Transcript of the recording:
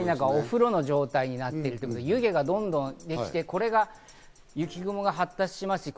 まさにお風呂の状態になっている、湯気がどんどん出てきて、これが雪雲が発達します。